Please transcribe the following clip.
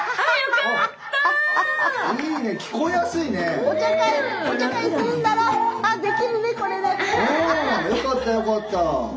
うんよかったよかった。